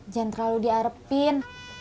jangan terlalu diarepin